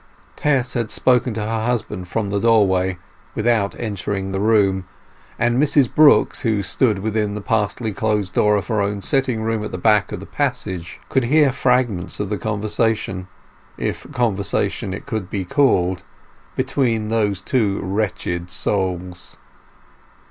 Tess had spoken to her husband from the doorway, without entering the dining room, and Mrs Brooks, who stood within the partly closed door of her own sitting room at the back of the passage, could hear fragments of the conversation—if conversation it could be called—between those two wretched souls.